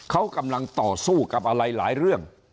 เขากำลังต่อสู้กับอะไรหลายเรื่อง